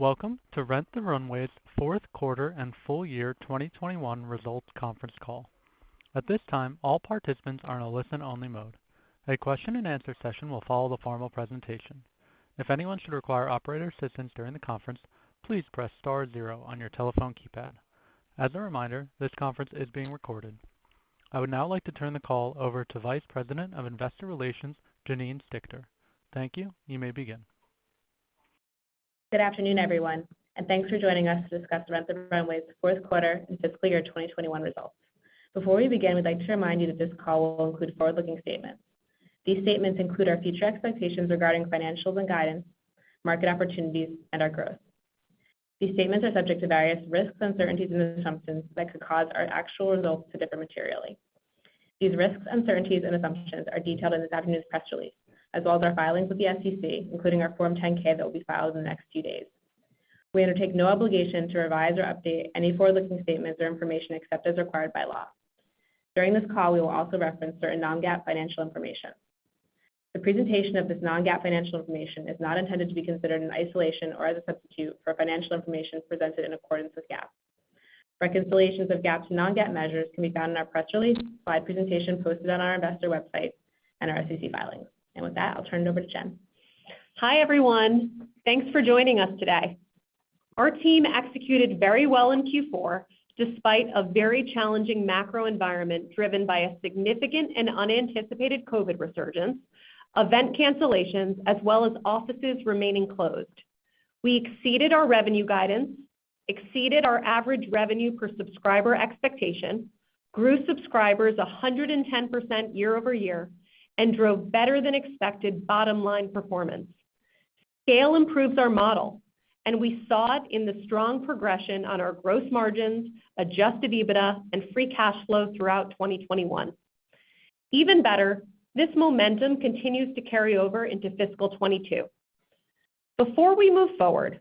Welcome to Rent the Runway's fourth quarter and full year 2021 results conference call. At this time, all participants are in a listen-only mode. A question and answer session will follow the formal presentation. If anyone should require operator assistance during the conference, please press star zero on your telephone keypad. As a reminder, this conference is being recorded. I would now like to turn the call over to Vice President of Investor Relations, Janine Stichter. Thank you. You may begin. Good afternoon, everyone, and thanks for joining us to discuss Rent the Runway's fourth quarter and fiscal year 2021 results. Before we begin, we'd like to remind you that this call will include forward-looking statements. These statements include our future expectations regarding financials and guidance, market opportunities, and our growth. These statements are subject to various risks, uncertainties and assumptions that could cause our actual results to differ materially. These risks, uncertainties and assumptions are detailed in this afternoon's press release, as well as our filings with the SEC, including our Form 10-K that will be filed in the next few days. We undertake no obligation to revise or update any forward-looking statements or information except as required by law. During this call, we will also reference certain non-GAAP financial information. The presentation of this non-GAAP financial information is not intended to be considered in isolation or as a substitute for financial information presented in accordance with GAAP. Reconciliations of GAAP to non-GAAP measures can be found in our press release, slide presentation posted on our investor website and our SEC filings. With that, I'll turn it over to Jen. Hi, everyone. Thanks for joining us today. Our team executed very well in Q4 despite a very challenging macro environment driven by a significant and unanticipated COVID resurgence, event cancellations, as well as offices remaining closed. We exceeded our revenue guidance, exceeded our average revenue per subscriber expectation, grew subscribers 110% year-over-year, and drove better than expected bottom line performance. Scale improves our model, and we saw it in the strong progression on our gross margins, Adjusted EBITDA, and free cash flow throughout 2021. Even better, this momentum continues to carry over into fiscal 2022. Before we move forward,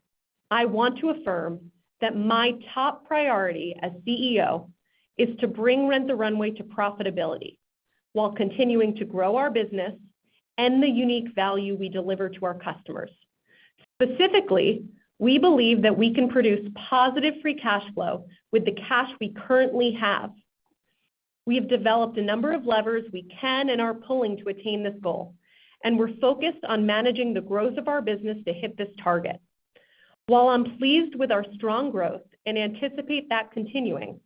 I want to affirm that my top priority as CEO is to bring Rent the Runway to profitability while continuing to grow our business and the unique value we deliver to our customers. Specifically, we believe that we can produce positive free cash flow with the cash we currently have. We have developed a number of levers we can and are pulling to attain this goal, and we're focused on managing the growth of our business to hit this target. While I'm pleased with our strong growth and anticipate that continuing,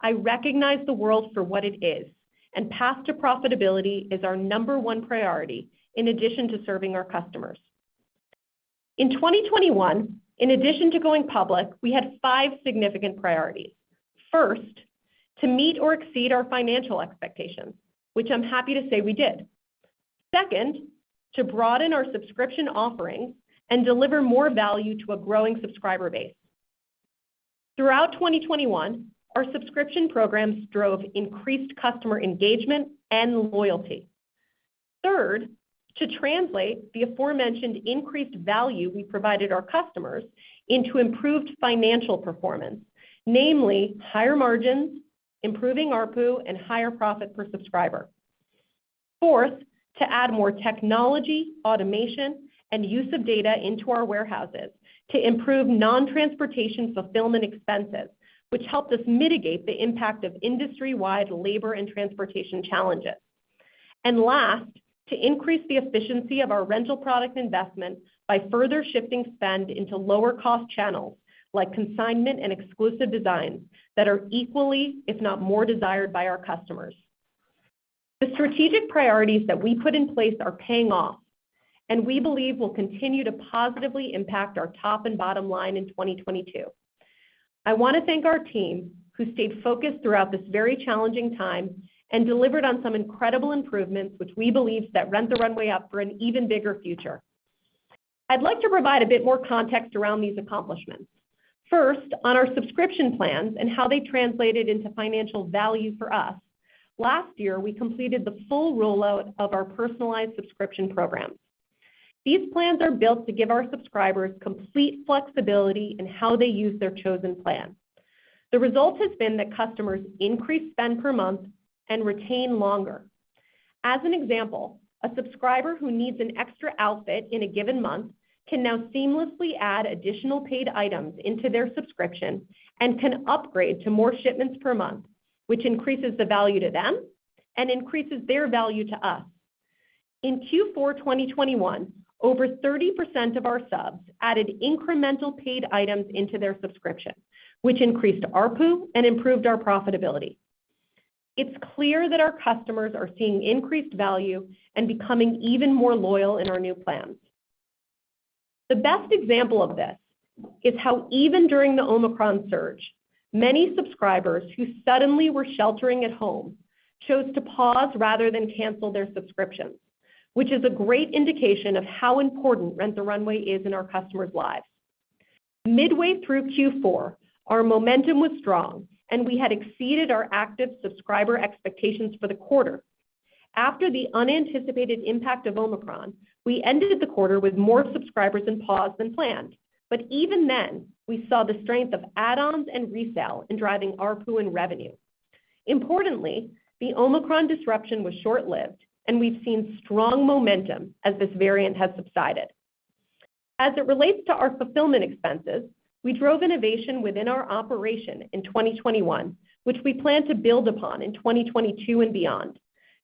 I recognize the world for what it is, and path to profitability is our number one priority in addition to serving our customers. In 2021, in addition to going public, we had five significant priorities. First, to meet or exceed our financial expectations, which I'm happy to say we did. Second, to broaden our subscription offerings and deliver more value to a growing subscriber base. Throughout 2021, our subscription programs drove increased customer engagement and loyalty. Third, to translate the aforementioned increased value we provided our customers into improved financial performance, namely higher margins, improving ARPU, and higher profit per subscriber. Fourth, to add more technology, automation, and use of data into our warehouses to improve non-transportation fulfillment expenses, which helped us mitigate the impact of industry-wide labor and transportation challenges. Last, to increase the efficiency of our rental product investments by further shifting spend into lower cost channels, like consignment and exclusive designs, that are equally, if not more desired by our customers. The strategic priorities that we put in place are paying off, and we believe will continue to positively impact our top and bottom line in 2022. I want to thank our team who stayed focused throughout this very challenging time and delivered on some incredible improvements, which we believe set Rent the Runway up for an even bigger future. I'd like to provide a bit more context around these accomplishments. First, on our subscription plans and how they translated into financial value for us. Last year, we completed the full rollout of our personalized subscription programs. These plans are built to give our subscribers complete flexibility in how they use their chosen plan. The result has been that customers increase spend per month and retain longer. As an example, a subscriber who needs an extra outfit in a given month can now seamlessly add additional paid items into their subscription and can upgrade to more shipments per month, which increases the value to them and increases their value to us. In Q4 2021, over 30% of our subs added incremental paid items into their subscription, which increased ARPU and improved our profitability. It's clear that our customers are seeing increased value and becoming even more loyal in our new plans. The best example of this is how even during the Omicron surge, many subscribers who suddenly were sheltering at home chose to pause rather than cancel their subscriptions, which is a great indication of how important Rent the Runway is in our customers' lives. Midway through Q4, our momentum was strong, and we had exceeded our active subscriber expectations for the quarter. After the unanticipated impact of Omicron, we ended the quarter with more subscribers and pauses than planned. Even then, we saw the strength of add-ons and Resale in driving ARPU and revenue. Importantly, the Omicron disruption was short-lived, and we've seen strong momentum as this variant has subsided. As it relates to our fulfillment expenses, we drove innovation within our operation in 2021, which we plan to build upon in 2022 and beyond.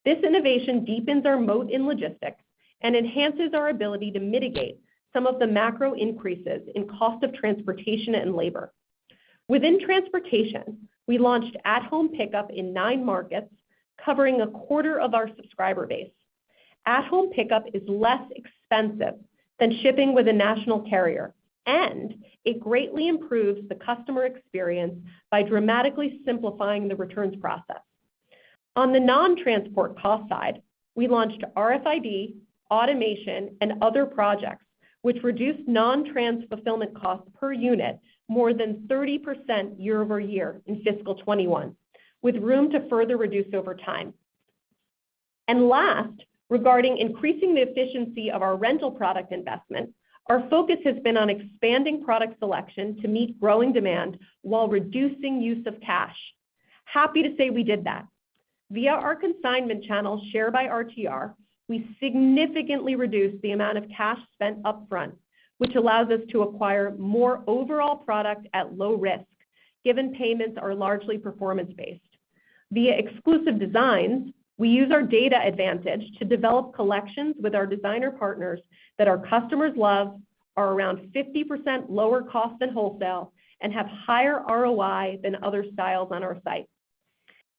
This innovation deepens our moat in logistics and enhances our ability to mitigate some of the macro increases in cost of transportation and labor. Within transportation, we launched at-home pickup in nine markets, covering a quarter of our subscriber base. At-home pickup is less expensive than shipping with a national carrier, and it greatly improves the customer experience by dramatically simplifying the returns process. On the non-transport cost side, we launched RFID, automation, and other projects, which reduced non-trans fulfillment costs per unit more than 30% year-over-year in fiscal 2021, with room to further reduce over time. Last, regarding increasing the efficiency of our rental product investment, our focus has been on expanding product selection to meet growing demand while reducing use of cash. Happy to say we did that. Via our consignment channel, Share by RTR, we significantly reduced the amount of cash spent upfront, which allows us to acquire more overall product at low risk, given payments are largely performance-based. Via Exclusive Designs, we use our data advantage to develop collections with our designer partners that our customers love, are around 50% lower cost than wholesale, and have higher ROI than other styles on our site.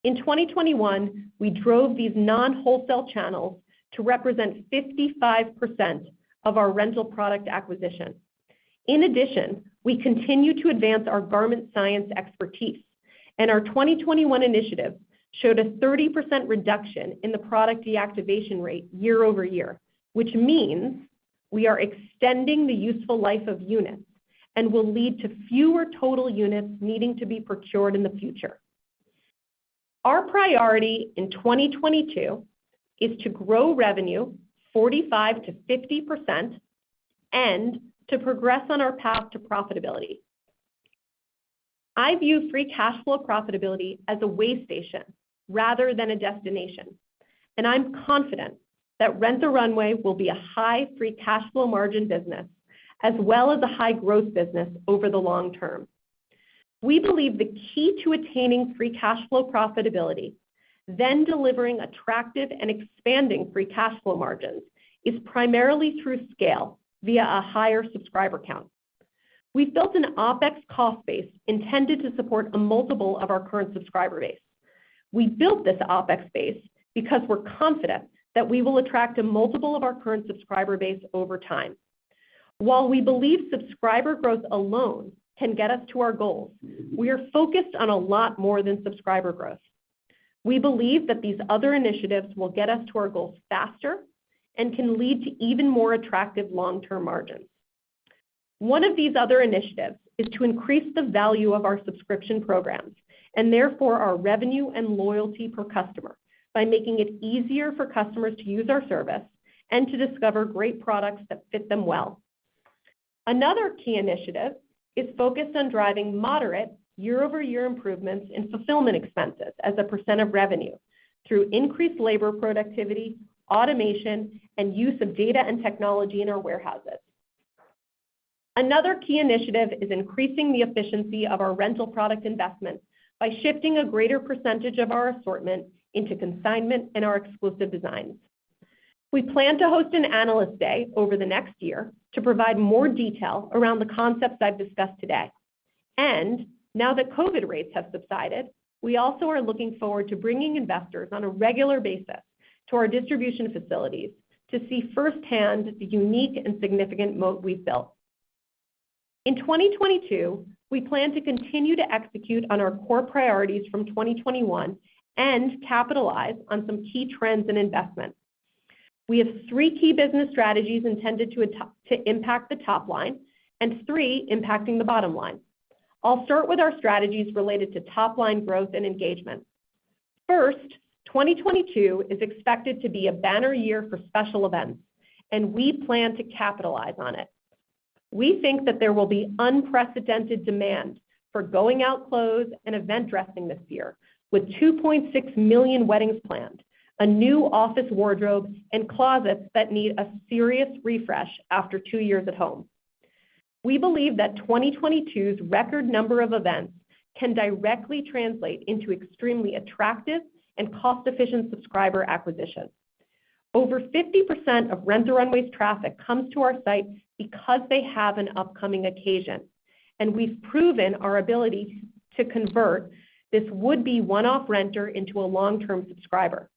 In 2021, we drove these non-wholesale channels to represent 55% of our rental product acquisition. In addition, we continue to advance our garment science expertise, and our 2021 initiative showed a 30% reduction in the product deactivation rate year-over-year, which means we are extending the useful life of units and will lead to fewer total units needing to be procured in the future. Our priority in 2022 is to grow revenue 45%-50% and to progress on our path to profitability. I view free cash flow profitability as a way station rather than a destination, and I'm confident that Rent the Runway will be a high free cash flow margin business as well as a high-growth business over the long term. We believe the key to attaining free cash flow profitability, then delivering attractive and expanding free cash flow margins, is primarily through scale via a higher subscriber count. We've built an OpEx cost base intended to support a multiple of our current subscriber base. We built this OpEx base because we're confident that we will attract a multiple of our current subscriber base over time. While we believe subscriber growth alone can get us to our goals, we are focused on a lot more than subscriber growth. We believe that these other initiatives will get us to our goals faster and can lead to even more attractive long-term margins. One of these other initiatives is to increase the value of our subscription programs, and therefore our revenue and loyalty per customer, by making it easier for customers to use our service and to discover great products that fit them well. Another key initiative is focused on driving moderate year-over-year improvements in fulfillment expenses as a percent of revenue through increased labor productivity, automation, and use of data and technology in our warehouses. Another key initiative is increasing the efficiency of our rental product investments by shifting a greater percentage of our assortment into consignment and our Exclusive designs. We plan to host an Analyst Day over the next year to provide more detail around the concepts I've discussed today. Now that COVID rates have subsided, we also are looking forward to bringing investors on a regular basis to our distribution facilities to see firsthand the unique and significant moat we've built. In 2022, we plan to continue to execute on our core priorities from 2021 and capitalize on some key trends and investments. We have three key business strategies intended to impact the top line and three impacting the bottom line. I'll start with our strategies related to top-line growth and engagement. First, 2022 is expected to be a banner year for special events, and we plan to capitalize on it. We think that there will be unprecedented demand for going-out clothes and event dressing this year, with 2.6 million weddings planned, a new office wardrobe, and closets that need a serious refresh after two years at home. We believe that 2022's record number of events can directly translate into extremely attractive and cost-efficient subscriber acquisition. Over 50% of Rent the Runway's traffic comes to our site because they have an upcoming occasion, and we've proven our ability to convert this would-be one-off renter into a long-term subscriber.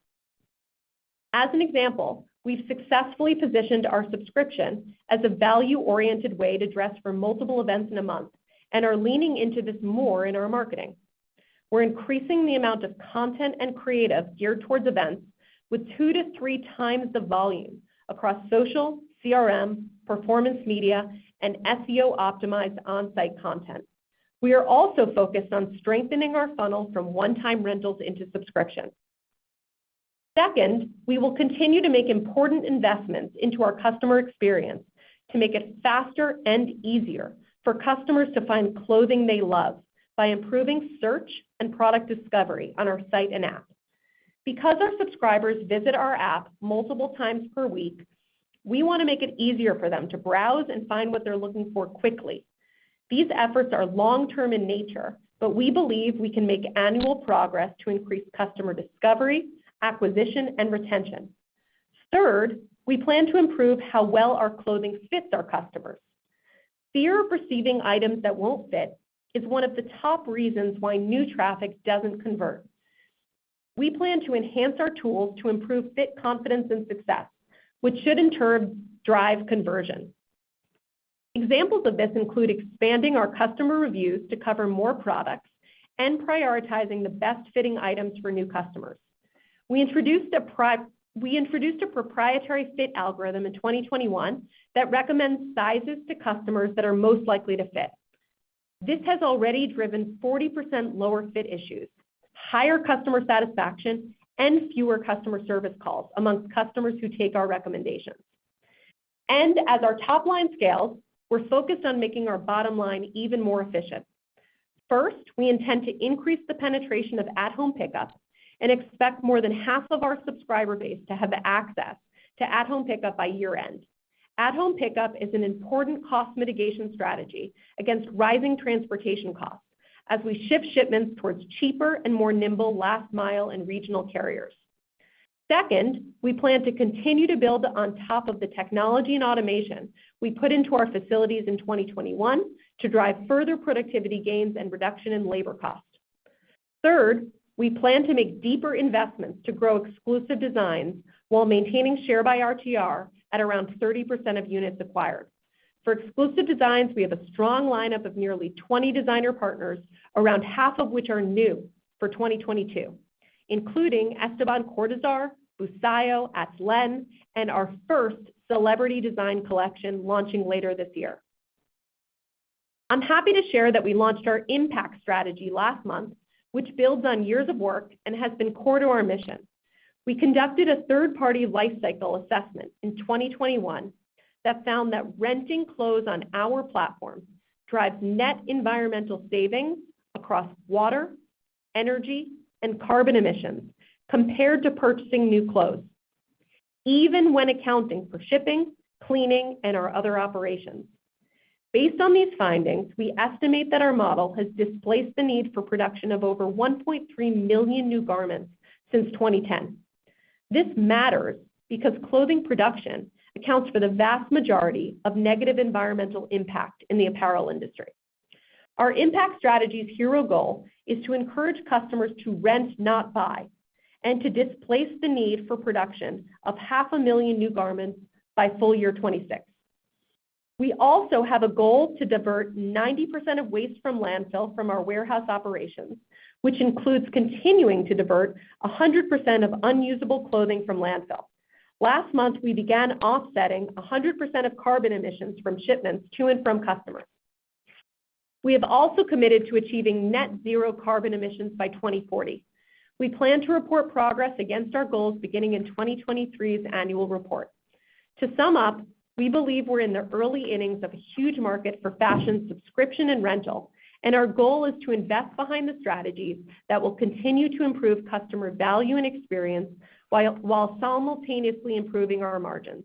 As an example, we've successfully positioned our subscription as a value-oriented way to dress for multiple events in a month and are leaning into this more in our marketing. We're increasing the amount of content and creative geared towards events with 2 to 3x the volume across social, CRM, performance media, and SEO-optimized on-site content. We are also focused on strengthening our funnel from one-time rentals into subscriptions. Second, we will continue to make important investments into our customer experience to make it faster and easier for customers to find clothing they love by improving search and product discovery on our site and app. Because our subscribers visit our app multiple times per week, we wanna make it easier for them to browse and find what they're looking for quickly. These efforts are long-term in nature, but we believe we can make annual progress to increase customer discovery, acquisition, and retention. Third, we plan to improve how well our clothing fits our customers. Fear of receiving items that won't fit is one of the top reasons why new traffic doesn't convert. We plan to enhance our tools to improve fit confidence and success, which should in turn drive conversion. Examples of this include expanding our customer reviews to cover more products and prioritizing the best-fitting items for new customers. We introduced a proprietary fit algorithm in 2021 that recommends sizes to customers that are most likely to fit. This has already driven 40% lower fit issues, higher customer satisfaction, and fewer customer service calls among customers who take our recommendations. As our top line scales, we're focused on making our bottom line even more efficient. First, we intend to increase the penetration of at-home pickup and expect more than half of our subscriber base to have access to at-home pickup by year-end. At-home pickup is an important cost mitigation strategy against rising transportation costs as we shift shipments towards cheaper and more nimble last mile and regional carriers. Second, we plan to continue to build on top of the technology and automation we put into our facilities in 2021 to drive further productivity gains and reduction in labor costs. Third, we plan to make deeper investments to grow Exclusive Designs while maintaining Share by RTR at around 30% of units acquired. For Exclusive Designs, we have a strong lineup of nearly 20 designer partners, around half of which are new for 2022, including Esteban Cortázar, Busayo, Atlein, and our first celebrity design collection launching later this year. I'm happy to share that we launched our impact strategy last month, which builds on years of work and has been core to our mission. We conducted a third-party lifecycle assessment in 2021 that found that renting clothes on our platform drives net environmental savings across water, energy, and carbon emissions compared to purchasing new clothes, even when accounting for shipping, cleaning, and our other operations. Based on these findings, we estimate that our model has displaced the need for production of over 1.3 million new garments since 2010. This matters because clothing production accounts for the vast majority of negative environmental impact in the apparel industry. Our impact strategy's hero goal is to encourage customers to rent, not buy, and to displace the need for production of 500,000 new garments by full year 2026. We also have a goal to divert 90% of waste from landfill from our warehouse operations, which includes continuing to divert 100% of unusable clothing from landfill. Last month, we began offsetting 100% of carbon emissions from shipments to and from customers. We have also committed to achieving net zero carbon emissions by 2040. We plan to report progress against our goals beginning in 2023's annual report. To sum up, we believe we're in the early innings of a huge market for fashion subscription and rental, and our goal is to invest behind the strategies that will continue to improve customer value and experience while simultaneously improving our margins.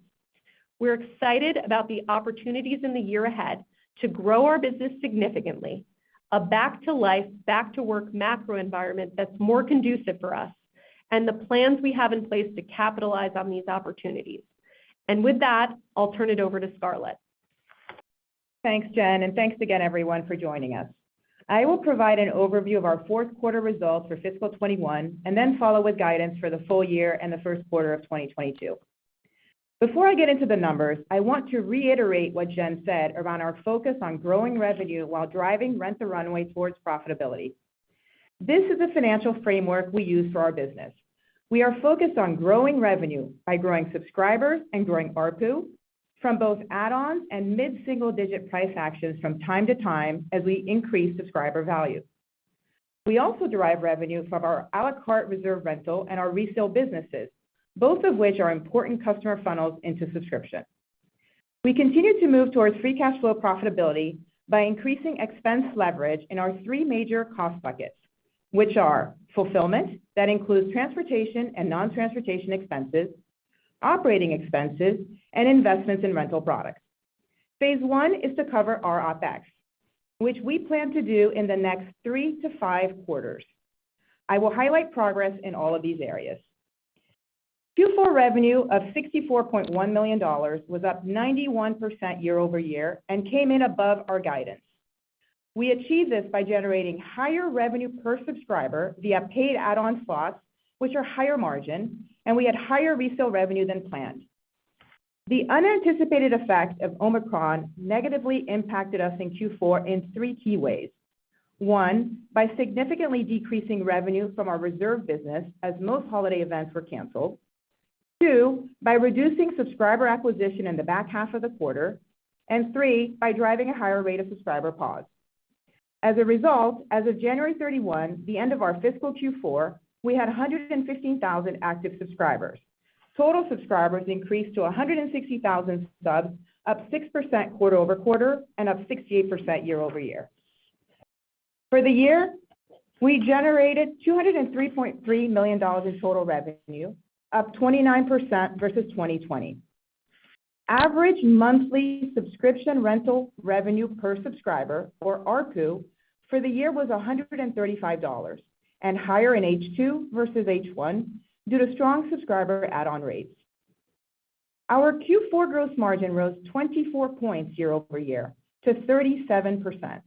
We're excited about the opportunities in the year ahead to grow our business significantly, a back-to-life, back-to-work macro environment that's more conducive for us, and the plans we have in place to capitalize on these opportunities. With that, I'll turn it over to Scarlett. Thanks Jen, and thanks again everyone for joining us. I will provide an overview of our fourth quarter results for fiscal 2021 and then follow with guidance for the full year and the first quarter of 2022. Before I get into the numbers, I want to reiterate what Jen said around our focus on growing revenue while driving Rent the Runway towards profitability. This is the financial framework we use for our business. We are focused on growing revenue by growing subscribers and growing ARPU from both add-ons and mid-single-digit price actions from time to time as we increase subscriber value. We also derive revenue from our à la carte Reserve rental and our Resale businesses, both of which are important customer funnels into Subscription. We continue to move towards free cash flow profitability by increasing expense leverage in our three major cost buckets, which are fulfillment, that includes transportation and non-transportation expenses, operating expenses, and investments in rental products. Phase I is to cover our OpEx, which we plan to do in the next three to five quarters. I will highlight progress in all of these areas. Q4 revenue of $64.1 million was up 91% year-over-year and came in above our guidance. We achieved this by generating higher revenue per subscriber via paid add-on slots, which are higher margin, and we had higher resale revenue than planned. The unanticipated effect of Omicron negatively impacted us in Q4 in three key ways. One, by significantly decreasing revenue from our Reserve business as most holiday events were canceled. By reducing subscriber acquisition in the back half of the quarter, and three, by driving a higher rate of subscriber pause. As a result, as of January 31, the end of our fiscal Q4, we had 115,000 active subscribers. Total subscribers increased to 160,000 subs, up 6% quarter-over-quarter and up 68% year-over-year. For the year, we generated $203.3 million in total revenue, up 29% versus 2020. Average monthly subscription rental revenue per subscriber, or ARPU, for the year was $135 and higher in H2 versus H1 due to strong subscriber add-on rates. Our Q4 gross margin rose 24 points year-over-year to 37%.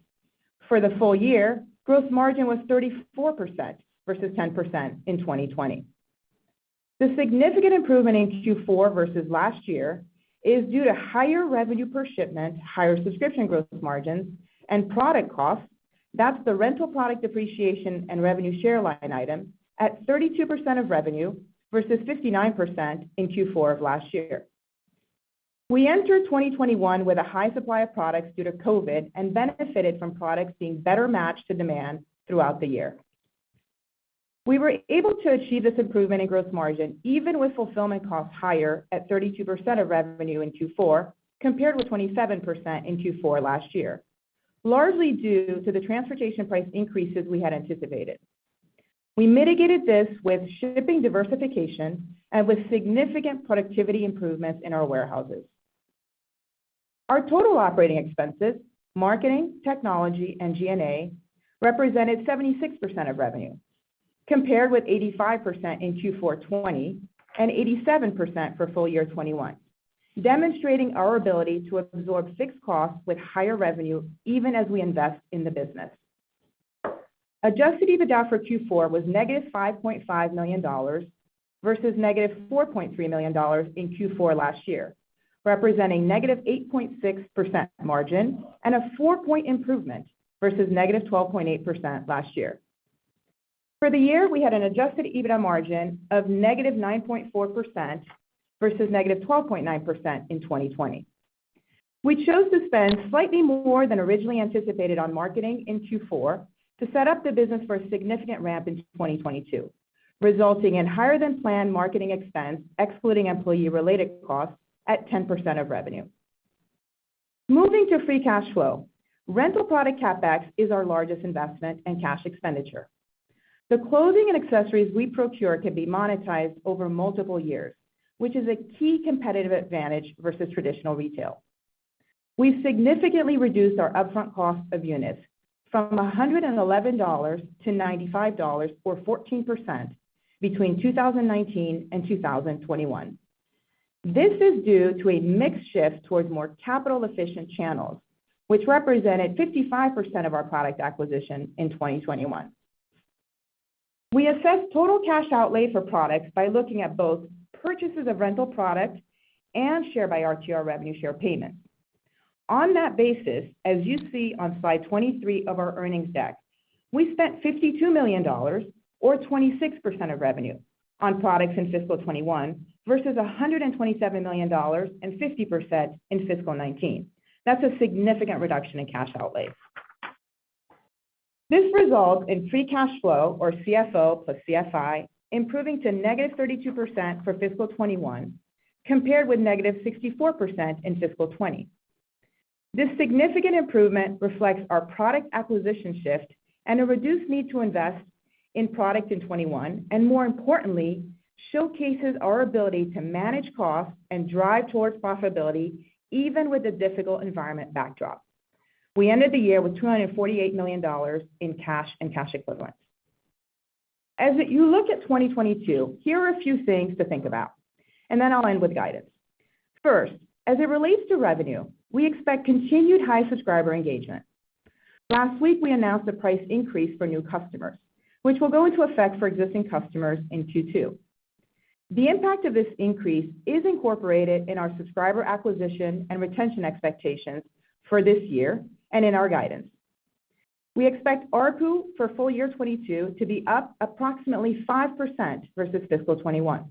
For the full year, gross margin was 34% versus 10% in 2020. The significant improvement in Q4 versus last year is due to higher revenue per shipment, higher subscription gross margins, and product costs. That's the rental product depreciation and revenue share line item at 32% of revenue versus 59% in Q4 of last year. We entered 2021 with a high supply of products due to COVID and benefited from products being better matched to demand throughout the year. We were able to achieve this improvement in gross margin even with fulfillment costs higher at 32% of revenue in Q4, compared with 27% in Q4 last year, largely due to the transportation price increases we had anticipated. We mitigated this with shipping diversification and with significant productivity improvements in our warehouses. Our total operating expenses, marketing, technology, and G&A, represented 76% of revenue, compared with 85% in Q4 2020 and 87% for full year 2021, demonstrating our ability to absorb fixed costs with higher revenue even as we invest in the business. Adjusted EBITDA for Q4 was -$5.5 million versus -$4.3 million in Q4 last year, representing -8.6% margin and a 4-point improvement versus -12.8% last year. For the year, we had an Adjusted EBITDA margin of -9.4% versus -12.9% in 2020. We chose to spend slightly more than originally anticipated on marketing in Q4 to set up the business for a significant ramp into 2022, resulting in higher than planned marketing expense, excluding employee-related costs, at 10% of revenue. Moving to free cash flow. Rental product CapEx is our largest investment and cash expenditure. The clothing and accessories we procure can be monetized over multiple years, which is a key competitive advantage versus traditional retail. We've significantly reduced our upfront cost of units from $111 to $95, or 14%, between 2019 and 2021. This is due to a mix shift towards more capital-efficient channels, which represented 55% of our product acquisition in 2021. We assess total cash outlay for products by looking at both purchases of rental products and Share by RTR revenue share payments. On that basis, as you see on slide 23 of our earnings deck, we spent $52 million or 26% of revenue on products in fiscal 2021 versus $127 million and 50% in fiscal 2019. That's a significant reduction in cash outlay. This results in free cash flow, or CFO plus CFI, improving to negative 32% for fiscal 2021 compared with negative 64% in fiscal 2020. This significant improvement reflects our product acquisition shift and a reduced need to invest in product in 2021, and more importantly, showcases our ability to manage costs and drive towards profitability even with a difficult environment backdrop. We ended the year with $248 million in cash and cash equivalents. As you look at 2022, here are a few things to think about, and then I'll end with guidance. First, as it relates to revenue, we expect continued high subscriber engagement. Last week, we announced a price increase for new customers, which will go into effect for existing customers in Q2. The impact of this increase is incorporated in our subscriber acquisition and retention expectations for this year and in our guidance. We expect ARPU for full year 2022 to be up approximately 5% versus fiscal 2021.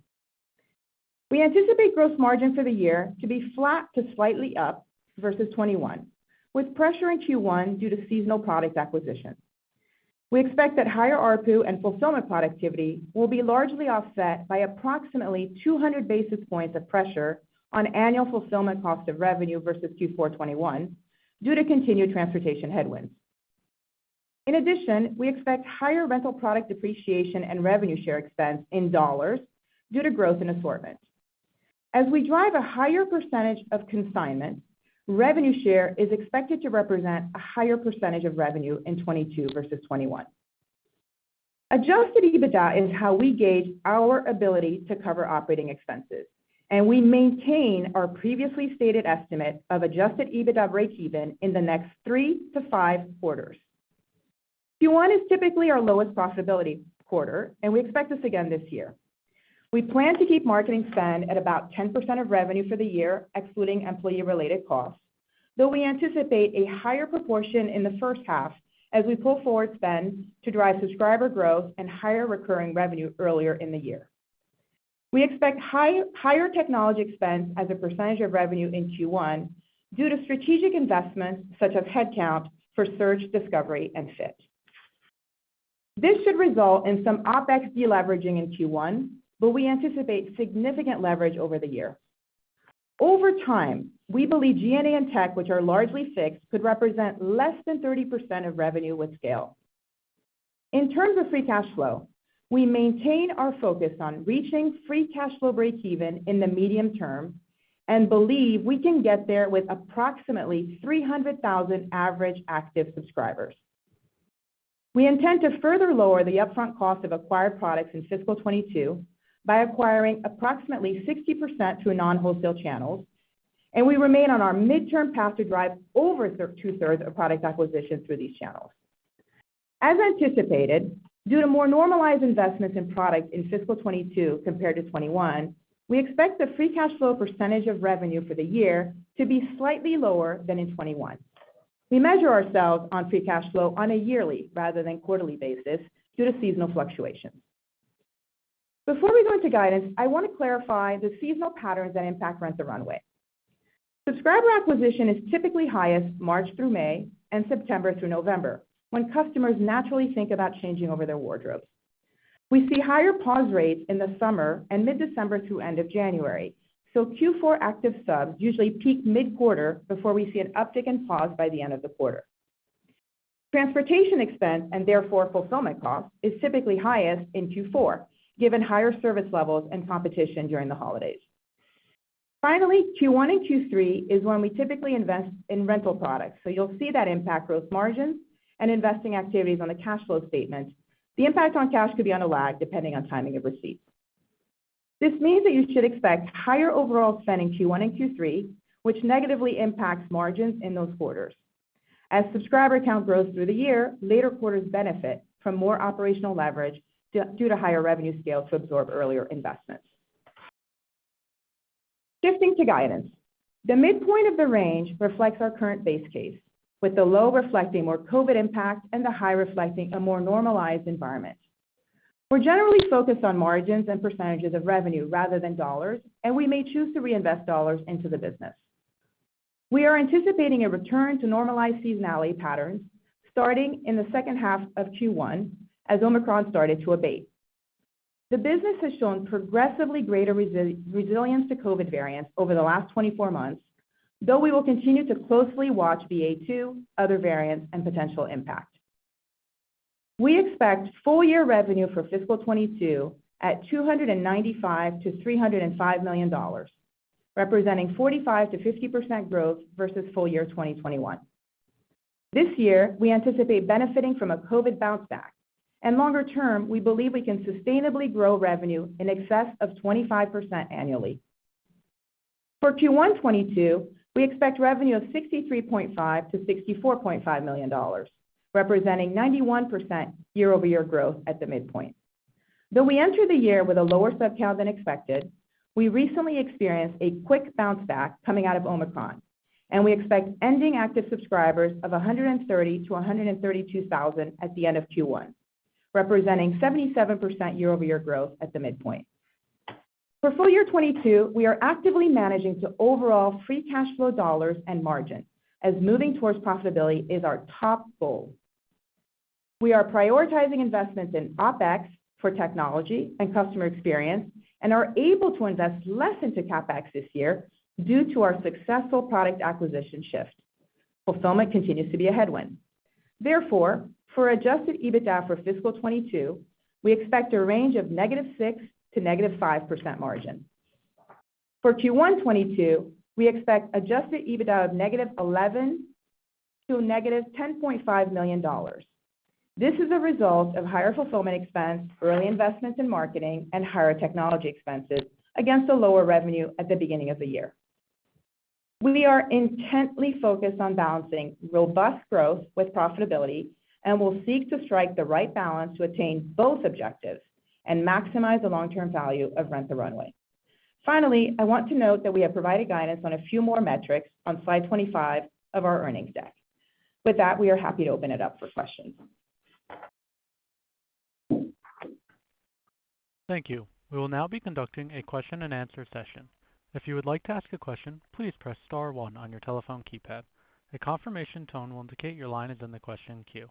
We anticipate gross margin for the year to be flat to slightly up versus 2021, with pressure in Q1 due to seasonal product acquisition. We expect that higher ARPU and fulfillment productivity will be largely offset by approximately 200 basis points of pressure on annual fulfillment cost of revenue versus Q4 2021 due to continued transportation headwinds. In addition, we expect higher rental product depreciation and revenue share expense in dollars due to growth in assortment. As we drive a higher percentage of consignment, revenue share is expected to represent a higher percentage of revenue in 2022 versus 2021. Adjusted EBITDA is how we gauge our ability to cover operating expenses, and we maintain our previously stated estimate of Adjusted EBITDA breakeven in the next 3-5 quarters. Q1 is typically our lowest profitability quarter, and we expect this again this year. We plan to keep marketing spend at about 10% of revenue for the year, excluding employee-related costs. Though we anticipate a higher proportion in the first half as we pull forward spend to drive subscriber growth and higher recurring revenue earlier in the year. We expect higher technology expense as a percentage of revenue in Q1 due to strategic investments such as headcount for search, discovery, and fit. This should result in some OpEx deleveraging in Q1, but we anticipate significant leverage over the year. Over time, we believe G&A and tech, which are largely fixed, could represent less than 30% of revenue with scale. In terms of free cash flow, we maintain our focus on reaching free cash flow breakeven in the medium term and believe we can get there with approximately 300,000 average active subscribers. We intend to further lower the upfront cost of acquired products in fiscal 2022 by acquiring approximately 60% through non-wholesale channels, and we remain on our midterm path to drive over two-thirds of product acquisitions through these channels. As anticipated, due to more normalized investments in product in fiscal 2022 compared to 2021, we expect the free cash flow percentage of revenue for the year to be slightly lower than in 2021. We measure ourselves on free cash flow on a yearly rather than quarterly basis due to seasonal fluctuations. Before we go into guidance, I want to clarify the seasonal patterns that impact Rent the Runway. Subscriber acquisition is typically highest March through May and September through November, when customers naturally think about changing over their wardrobes. We see higher pause rates in the summer and mid-December to end of January, so Q4 active subs usually peak mid-quarter before we see an uptick in pause by the end of the quarter. Transportation expense, and therefore fulfillment cost, is typically highest in Q4, given higher service levels and competition during the holidays. Finally, Q1 and Q3 is when we typically invest in rental products, so you'll see that impact gross margin and investing activities on the cash flow statement. The impact on cash could be with a lag, depending on timing of receipts. This means that you should expect higher overall spend in Q1 and Q3, which negatively impacts margins in those quarters. As subscriber count grows through the year, later quarters benefit from more operational leverage due to higher revenue scale to absorb earlier investments. Shifting to guidance. The midpoint of the range reflects our current base case, with the low reflecting more COVID impact and the high reflecting a more normalized environment. We're generally focused on margins and percentages of revenue rather than dollars, and we may choose to reinvest dollars into the business. We are anticipating a return to normalized seasonality patterns starting in the second half of Q1 as Omicron started to abate. The business has shown progressively greater resilience to COVID variants over the last 24 months, though we will continue to closely watch BA.2, other variants, and potential impact. We expect full year revenue for fiscal 2022 at $295 million-$305 million, representing 45%-50% growth versus full year 2021. This year, we anticipate benefiting from a COVID bounce back, and longer term, we believe we can sustainably grow revenue in excess of 25% annually. For Q1 2022, we expect revenue of $63.5 million-$64.5 million, representing 91% year-over-year growth at the midpoint. Though we enter the year with a lower sub count than expected, we recently experienced a quick bounce back coming out of Omicron, and we expect ending active subscribers of 130-132 thousand at the end of Q1, representing 77% year-over-year growth at the midpoint. For full year 2022, we are actively managing to overall free cash flow dollars and margin as moving towards profitability is our top goal. We are prioritizing investments in OpEx for technology and customer experience and are able to invest less into CapEx this year due to our successful product acquisition shift. Fulfillment continues to be a headwind. Therefore, for Adjusted EBITDA for fiscal 2022, we expect a range of -6%-5% margin. For Q1 2022, we expect Adjusted EBITDA of -$11 million-$10.5 million. This is a result of higher fulfillment expense, early investments in marketing, and higher technology expenses against the lower revenue at the beginning of the year. We are intently focused on balancing robust growth with profitability and will seek to strike the right balance to attain both objectives and maximize the long-term value of Rent the Runway. Finally, I want to note that we have provided guidance on a few more metrics on slide 25 of our earnings deck. With that, we are happy to open it up for questions. Thank you. We will now be conducting a question and answer session. If you would like to ask a question, please press star one on your telephone keypad. A confirmation tone will indicate your line is in the question queue.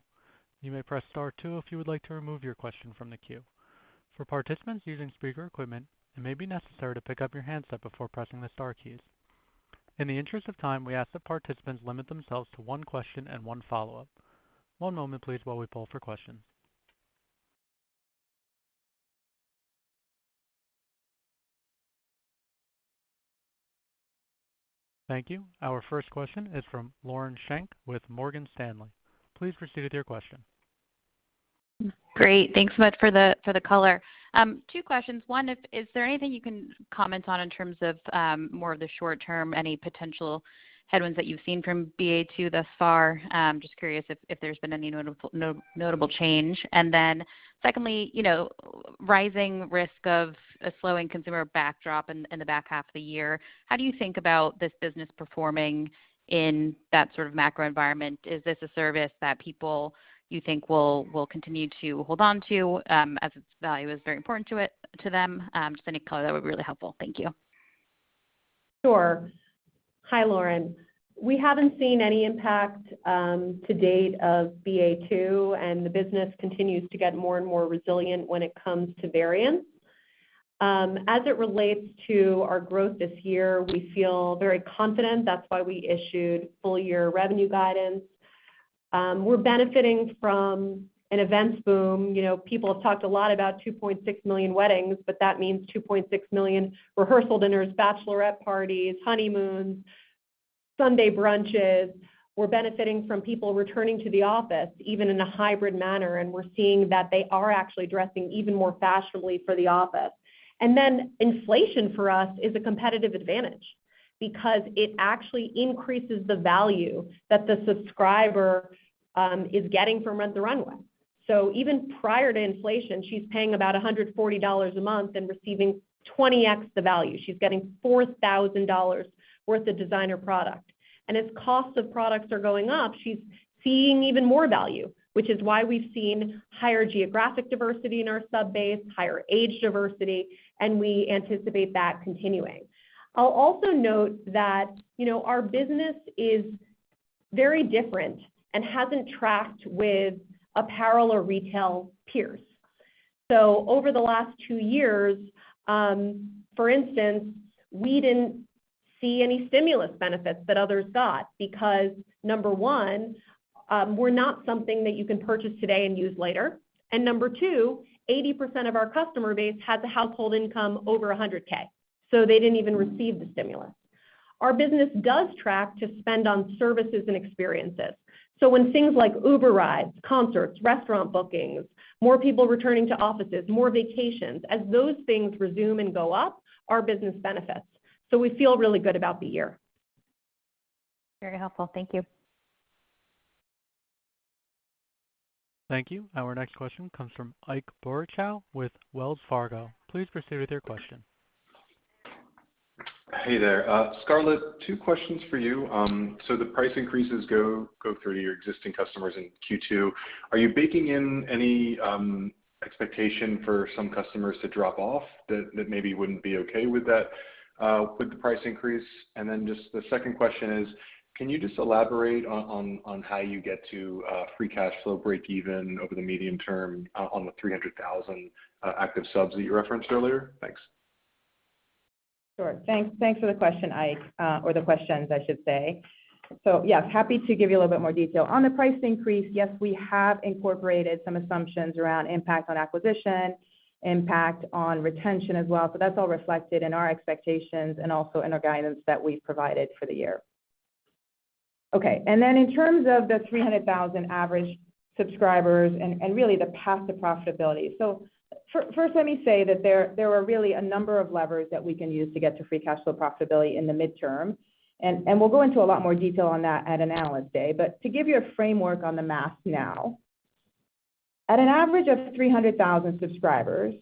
You may press star two if you would like to remove your question from the queue. For participants using speaker equipment, it may be necessary to pick up your handset before pressing the star keys. In the interest of time, we ask that participants limit themselves to one question and one follow-up. One moment please while we poll for questions. Thank you. Our first question is from Lauren Schenk with Morgan Stanley. Please proceed with your question. Great. Thanks so much for the color. Two questions. One, is there anything you can comment on in terms of more of the short term, any potential headwinds that you've seen from BA.2 thus far? Just curious if there's been any notable change. And then secondly, you know- Rising risk of a slowing consumer backdrop in the back half of the year. How do you think about this business performing in that sort of macro environment? Is this a service that people, you think will continue to hold on to, as its value is very important to it, to them? Just any color, that would be really helpful. Thank you. Sure. Hi, Lauren. We haven't seen any impact to date of BA.2, and the business continues to get more and more resilient when it comes to variants. As it relates to our growth this year, we feel very confident. That's why we issued full year revenue guidance. We're benefiting from an events boom. You know, people have talked a lot about 2.6 million weddings, but that means 2.6 million rehearsal dinners, bachelorette parties, honeymoons, Sunday brunches. We're benefiting from people returning to the office, even in a hybrid manner, and we're seeing that they are actually dressing even more fashionably for the office. Inflation for us is a competitive advantage because it actually increases the value that the subscriber is getting from Rent the Runway. Even prior to inflation, she's paying about $140 a month and receiving 20x the value. She's getting $4,000 worth of designer product. As costs of products are going up, she's seeing even more value, which is why we've seen higher geographic diversity in our sub base, higher age diversity, and we anticipate that continuing. I'll also note that, you know, our business is very different and hasn't tracked with apparel or retail peers. Over the last two years, for instance, we didn't see any stimulus benefits that others got because, number one, we're not something that you can purchase today and use later. Number two, 80% of our customer base had a household income over $100K, so they didn't even receive the stimulus. Our business does track to spend on services and experiences. When things like Uber rides, concerts, restaurant bookings, more people returning to offices, more vacations, as those things resume and go up, our business benefits. We feel really good about the year. Very helpful. Thank you. Thank you. Our next question comes from Ike Boruchow with Wells Fargo. Please proceed with your question. Hey there. Scarlett, two questions for you. The price increases go through to your existing customers in Q2. Are you baking in any expectation for some customers to drop off that maybe wouldn't be okay with that, with the price increase? Just the second question is, can you just elaborate on how you get to free cash flow breakeven over the medium term on the 300,000 active subs that you referenced earlier? Thanks. Sure. Thanks for the question, Ike, or the questions I should say. Yes, happy to give you a little bit more detail. On the price increase, yes, we have incorporated some assumptions around impact on acquisition, impact on retention as well, so that's all reflected in our expectations and also in our guidance that we've provided for the year. Okay. Then in terms of the 300,000 average subscribers and really the path to profitability. First let me say that there are really a number of levers that we can use to get to free cash flow profitability in the midterm, and we'll go into a lot more detail on that at Analyst Day. To give you a framework on the math now, at an average of 300,000 subscribers,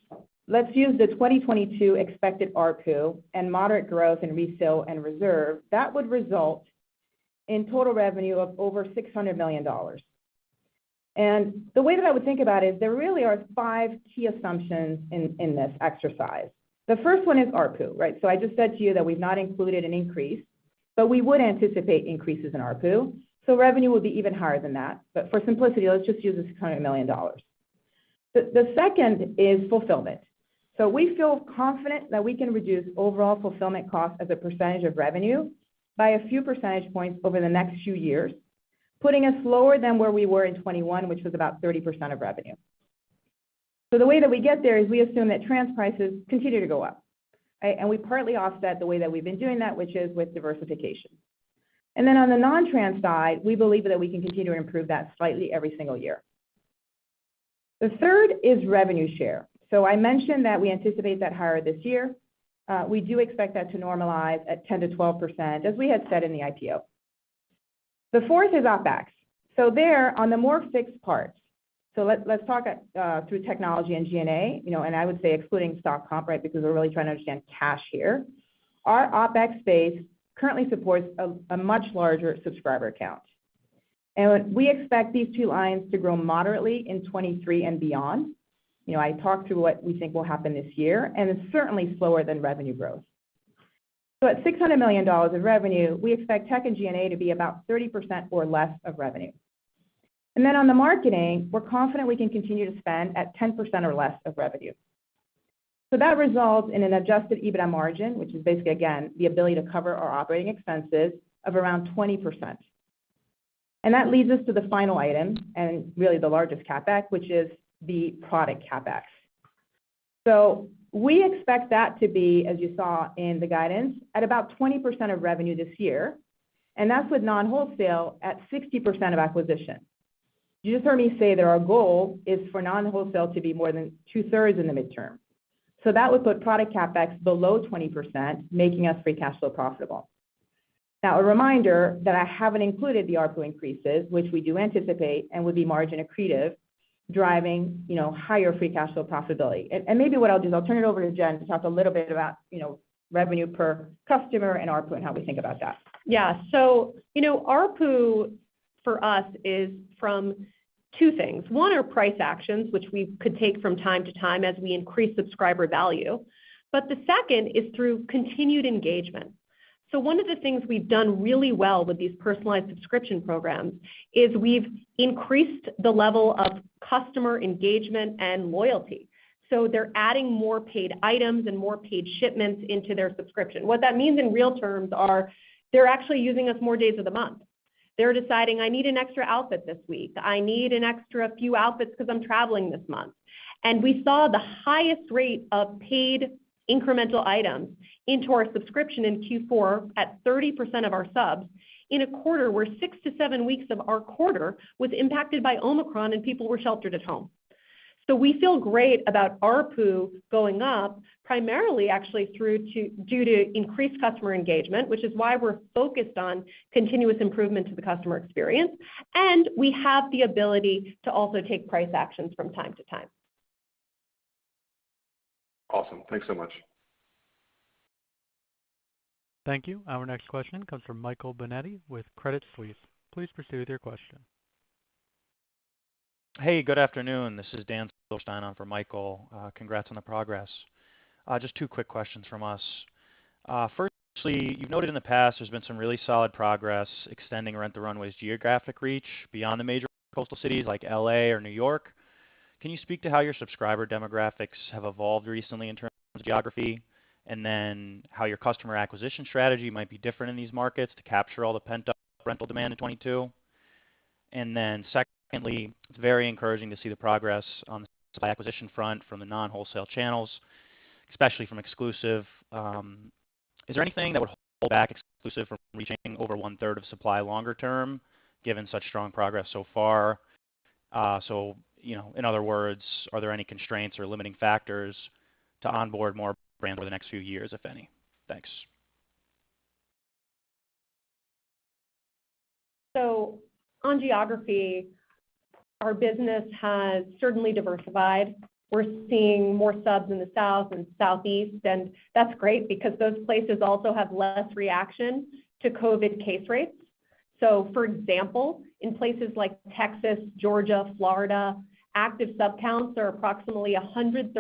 let's use the 2022 expected ARPU and moderate growth in refill and reserve, that would result in total revenue of over $600 million. The way that I would think about it, there really are five key assumptions in this exercise. The first one is ARPU, right? So I just said to you that we've not included an increase, but we would anticipate increases in ARPU, so revenue would be even higher than that. For simplicity, let's just use the $600 million. The second is fulfillment. We feel confident that we can reduce overall fulfillment costs as a percentage of revenue by a few percentage points over the next few years, putting us lower than where we were in 2021, which was about 30% of revenue. The way that we get there is we assume that trans prices continue to go up, right? We partly offset the way that we've been doing that, which is with diversification. On the non-trans side, we believe that we can continue to improve that slightly every single year. The third is revenue share. I mentioned that we anticipate that higher this year. We do expect that to normalize at 10%-12%, as we had said in the IPO. The fourth is OpEx. There on the more fixed parts. Let's talk through technology and G&A, you know, and I would say excluding stock comp, right? Because we're really trying to understand cash here. Our OpEx base currently supports a much larger subscriber count. We expect these two lines to grow moderately in 2023 and beyond. You know, I talked through what we think will happen this year, and it's certainly slower than revenue growth. At $600 million in revenue, we expect tech and G&A to be about 30% or less of revenue. Then on the marketing, we're confident we can continue to spend at 10% or less of revenue. That results in an Adjusted EBITDA margin, which is basically again, the ability to cover our operating expenses of around 20%. That leads us to the final item and really the largest CapEx, which is the product CapEx. We expect that to be, as you saw in the guidance, at about 20% of revenue this year, and that's with non-wholesale at 60% of acquisition. You just heard me say that our goal is for non-wholesale to be more than two-thirds in the midterm. That would put product CapEx below 20%, making us free cash flow profitable. Now, a reminder that I haven't included the ARPU increases, which we do anticipate and will be margin accretive, driving, you know, higher free cash flow profitability. Maybe what I'll do is I'll turn it over to Jen to talk a little bit about, you know, revenue per customer and ARPU and how we think about that. Yeah. You know, ARPU for us is from two things. One are price actions, which we could take from time to time as we increase subscriber value, but the second is through continued engagement. One of the things we've done really well with these personalized subscription programs is we've increased the level of customer engagement and loyalty. They're adding more paid items and more paid shipments into their subscription. What that means in real terms are they're actually using us more days of the month. They're deciding, "I need an extra outfit this week. I need an extra few outfits because I'm traveling this month." We saw the highest rate of paid incremental items into our subscription in Q4 at 30% of our subs in a quarter where 6-7 weeks of our quarter was impacted by Omicron and people were sheltered at home. We feel great about ARPU going up, primarily, actually due to increased customer engagement, which is why we're focused on continuous improvement to the customer experience. We have the ability to also take price actions from time to time. Awesome. Thanks so much. Thank you. Our next question comes from Michael Binetti with Credit Suisse. Please proceed with your question. Hey, good afternoon. This is Daniel Silverstein on for Michael. Congrats on the progress. Just two quick questions from us. Firstly, you've noted in the past there's been some really solid progress extending Rent the Runway's geographic reach beyond the major coastal cities like L.A. or New York. Can you speak to how your subscriber demographics have evolved recently in terms of geography and how your customer acquisition strategy might be different in these markets to capture all the pent-up rental demand in 2022. Secondly, it's very encouraging to see the progress on the supply acquisition front from the non-wholesale channels, especially from Exclusive. Is there anything that would hold back Exclusive from reaching over one-third of supply longer term, given such strong progress so far? You know, in other words, are there any constraints or limiting factors to onboard more brands over the next few years, if any? Thanks. On geography, our business has certainly diversified. We're seeing more subs in the South and Southeast, and that's great because those places also have less reaction to COVID case rates. For example, in places like Texas, Georgia, Florida, active sub counts are approximately 135%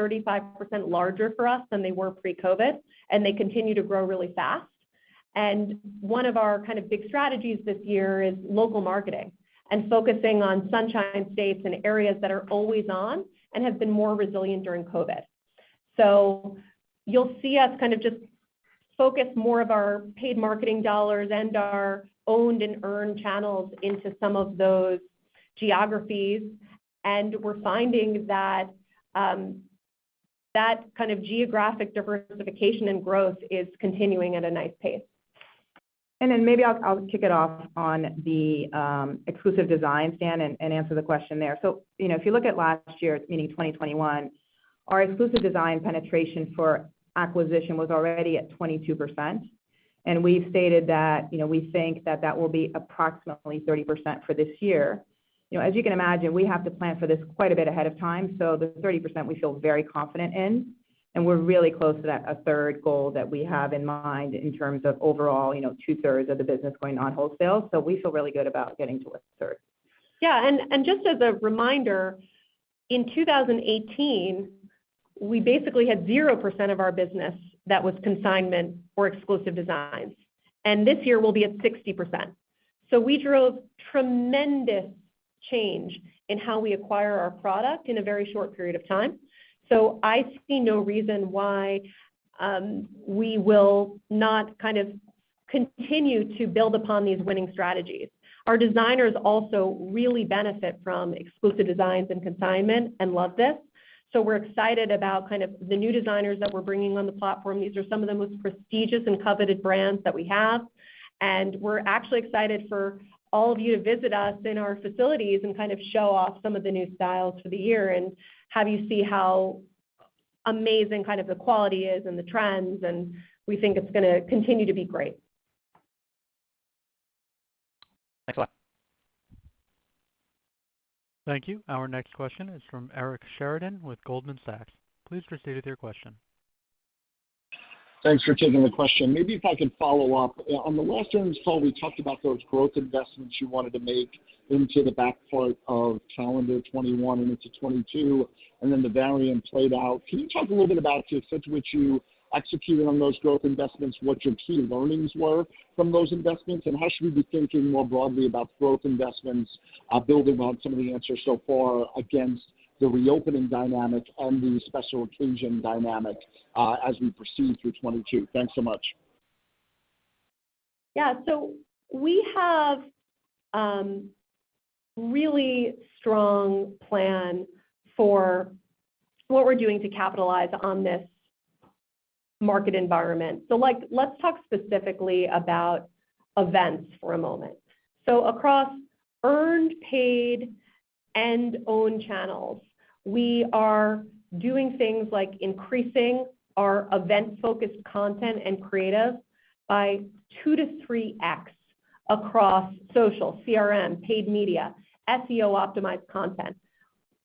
larger for us than they were pre-COVID, and they continue to grow really fast. One of our kind of big strategies this year is local marketing and focusing on sunshine states and areas that are always on and have been more resilient during COVID. You'll see us kind of just focus more of our paid marketing dollars and our owned and earned channels into some of those geographies. We're finding that that kind of geographic diversification and growth is continuing at a nice pace. Maybe I'll kick it off on the Exclusive designs, Dan, and answer the question there. You know, if you look at last year, meaning 2021, our Exclusive design penetration for acquisition was already at 22%. We've stated that, you know, we think that will be approximately 30% for this year. You know, as you can imagine, we have to plan for this quite a bit ahead of time, so the 30% we feel very confident in, and we're really close to that a third goal that we have in mind in terms of overall, you know, two-thirds of the business going on wholesale. We feel really good about getting to a third. Yeah. Just as a reminder, in 2018, we basically had 0% of our business that was consignment for Exclusive Designs, and this year we'll be at 60%. We drove tremendous change in how we acquire our product in a very short period of time. I see no reason why we will not kind of continue to build upon these winning strategies. Our designers also really benefit from Exclusive Designs and consignment and love this. We're excited about kind of the new designers that we're bringing on the platform. These are some of the most prestigious and coveted brands that we have, and we're actually excited for all of you to visit us in our facilities and kind of show off some of the new styles for the year and have you see how amazing kind of the quality is and the trends, and we think it's gonna continue to be great. Thanks a lot. Thank you. Our next question is from Eric Sheridan with Goldman Sachs. Please proceed with your question. Thanks for taking the question. Maybe if I can follow up. On the last earnings call, we talked about those growth investments you wanted to make into the back part of calendar 2021 and into 2022, and then the variant played out. Can you talk a little bit about the extent to which you executed on those growth investments, what your key learnings were from those investments, and how should we be thinking more broadly about growth investments, building on some of the answers so far against the reopening dynamics and the special occasion dynamic, as we proceed through 2022? Thanks so much. Yeah. We have really strong plan for what we're doing to capitalize on this market environment. Like, let's talk specifically about events for a moment. Across earned, paid, and owned channels, we are doing things like increasing our event-focused content and creative by 2-3x across social, CRM, paid media, SEO-optimized content.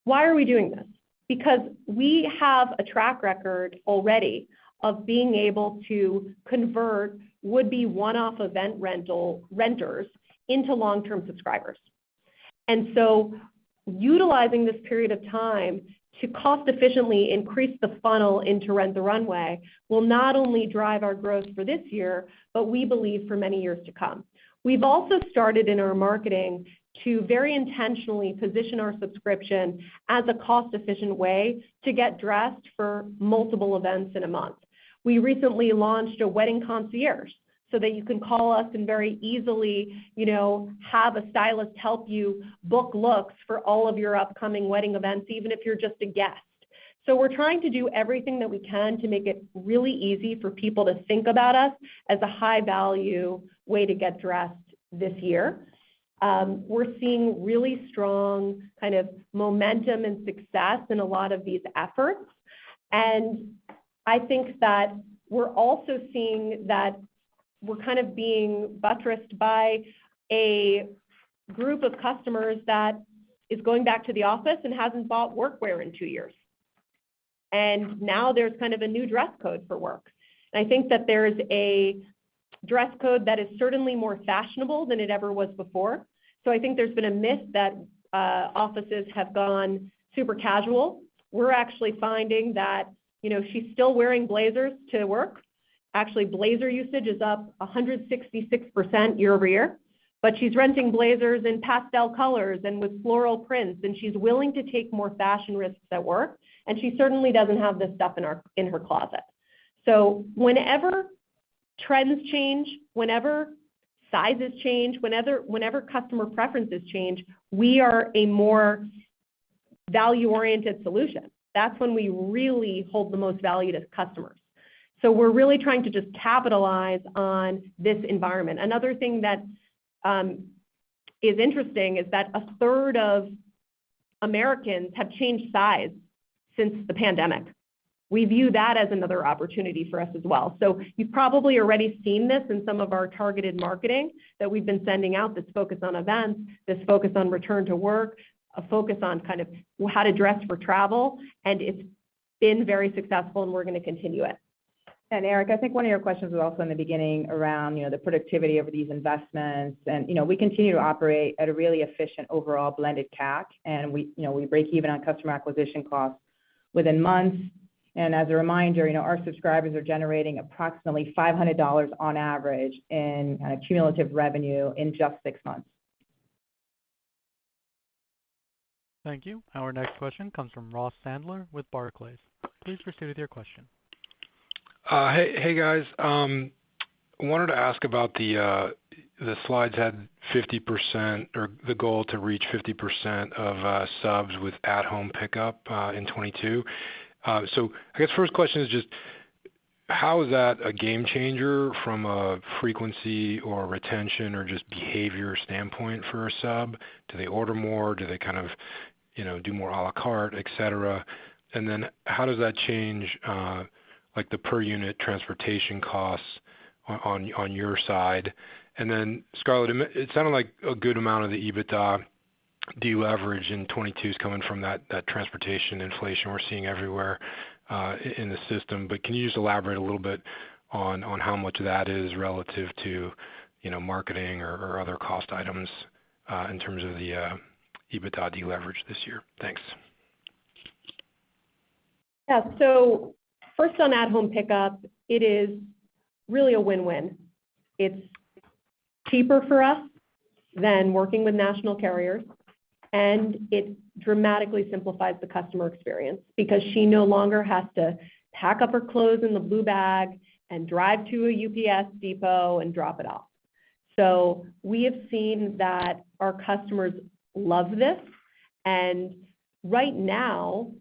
Why are we doing this? Because we have a track record already of being able to convert would-be one-off event rental renters into long-term subscribers. Utilizing this period of time to cost efficiently increase the funnel into Rent the Runway will not only drive our growth for this year, but we believe for many years to come. We've also started in our marketing to very intentionally position our subscription as a cost-efficient way to get dressed for multiple events in a month. We recently launched a wedding concierge so that you can call us and very easily, you know, have a stylist help you book looks for all of your upcoming wedding events, even if you're just a guest. We're trying to do everything that we can to make it really easy for people to think about us as a high-value way to get dressed this year. We're seeing really strong kind of momentum and success in a lot of these efforts. I think that we're also seeing that we're kind of being buttressed by a group of customers that is going back to the office and hasn't bought workwear in two years. Now there's kind of a new dress code for work. I think that there's a dress code that is certainly more fashionable than it ever was before. I think there's been a myth that offices have gone super casual. We're actually finding that, you know, she's still wearing blazers to work. Actually, blazer usage is up 166% year-over-year. She's renting blazers in pastel colors and with floral prints, and she's willing to take more fashion risks at work, and she certainly doesn't have this stuff in her closet. Whenever trends change, whenever sizes change, customer preferences change, we are a more value-oriented solution. That's when we really hold the most value to customers. We're really trying to just capitalize on this environment. Another thing that is interesting is that a third of Americans have changed size since the pandemic. We view that as another opportunity for us as well. You've probably already seen this in some of our targeted marketing that we've been sending out that's focused on events, that's focused on return to work, a focus on kind of how to dress for travel, and it's been very successful, and we're gonna continue it. Eric, I think one of your questions was also in the beginning around, you know, the productivity of these investments. You know, we continue to operate at a really efficient overall blended CAC, and we, you know, we break even on customer acquisition costs within months. As a reminder, you know, our subscribers are generating approximately $500 on average in cumulative revenue in just six months. Thank you. Our next question comes from Ross Sandler with Barclays. Please proceed with your question. Hey guys. I wanted to ask about the slides had 50% or the goal to reach 50% of subs with at-home pickup in 2022. I guess first question is just, how is that a game changer from a frequency or retention or just behavior standpoint for a sub? Do they order more? Do they kind of, you know, do more à la carte, et cetera? How does that change like the per unit transportation costs on your side? Scarlett, it sounded like a good amount of the EBITDA deleverage in 2022 is coming from that transportation inflation we're seeing everywhere in the system. Can you just elaborate a little bit on how much of that is relative to, you know, marketing or other cost items, in terms of the EBITDA deleverage this year? Thanks. Yeah. First on at-home pickup, it is really a win-win. It's cheaper for us than working with national carriers, and it dramatically simplifies the customer experience because she no longer has to pack up her clothes in the blue bag and drive to a UPS depot and drop it off. We have seen that our customers love this. Right now,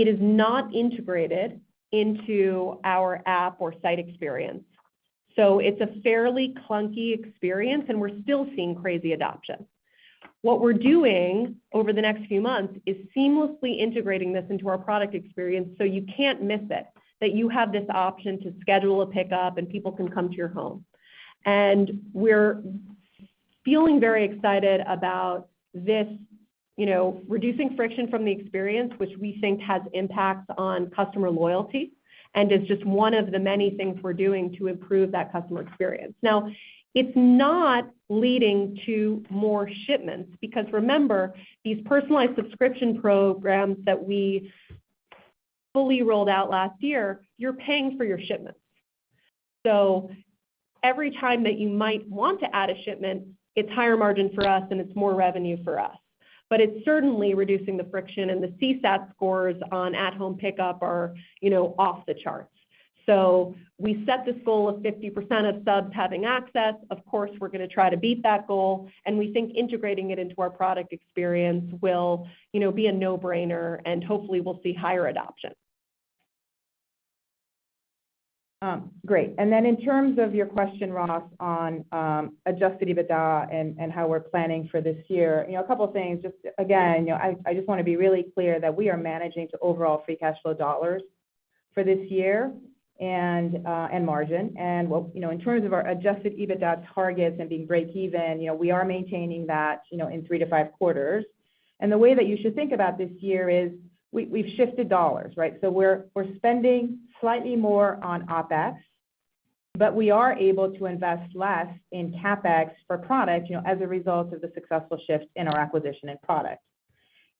it is not integrated into our app or site experience, so it's a fairly clunky experience, and we're still seeing crazy adoption. What we're doing over the next few months is seamlessly integrating this into our product experience, so you can't miss it, that you have this option to schedule a pickup and people can come to your home. We're feeling very excited about this, you know, reducing friction from the experience which we think has impacts on customer loyalty and is just one of the many things we're doing to improve that customer experience. Now, it's not leading to more shipments because remember, these personalized subscription programs that we fully rolled out last year, you're paying for your shipments. Every time that you might want to add a shipment, it's higher margin for us, and it's more revenue for us. It's certainly reducing the friction, and the CSAT scores on at-home pickup are, you know, off the charts. We set this goal of 50% of subs having access. Of course, we're gonna try to beat that goal, and we think integrating it into our product experience will, you know, be a no-brainer, and hopefully, we'll see higher adoption. Great. In terms of your question, Ross, on Adjusted EBITDA and how we're planning for this year. You know, a couple of things. Just again, you know, I just wanna be really clear that we are managing to overall free cash flow dollars for this year and margin. In terms of our Adjusted EBITDA targets and being breakeven, you know, we are maintaining that, you know, in three to five quarters. The way that you should think about this year is we've shifted dollars, right? We're spending slightly more on OpEx, but we are able to invest less in CapEx for product, you know, as a result of the successful shift in our acquisition and product.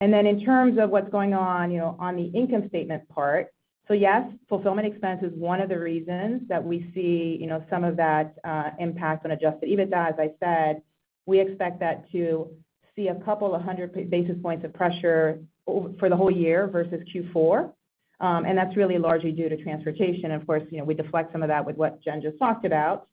In terms of what's going on, you know, on the income statement part. Yes, fulfillment expense is one of the reasons that we see, you know, some of that, impact on Adjusted EBITDA. As I said, we expect to see a couple of hundred basis points of pressure for the whole year versus Q4. That's really largely due to transportation. Of course, you know, we deflect some of that with what Jen just talked about.